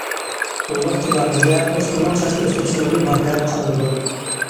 ئۇيغۇر تېبابىتىدە ئوسمىنىڭ چاچ ئۆستۈرۈش رولى بار، دەپ قارىلىدۇ.